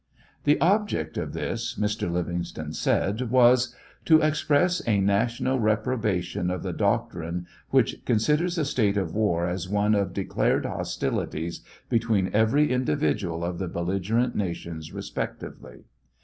The object of this, Mr. Livingston said, was — To express a national reprobation of the doctrine which considers a state of war as one of declared hostilities between every individual of the belligerent nations respectively.